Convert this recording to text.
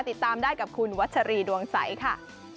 ติดตามได้กับคุณวัชรีดวงใสค่ะ